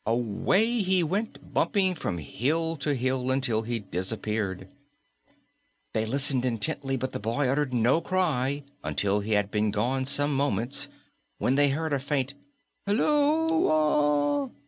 Away he went, bumping from hill to hill until he disappeared. They listened intently, but the boy uttered no cry until he had been gone some moments, when they heard a faint "Hullo a!"